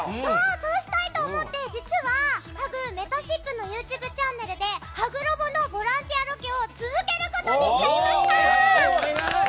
そうしたいと思って実は、めたしっぷのＹｏｕＴｕｂｅチャンネルでハグロボのボランティアロケを続けることにしちゃいました！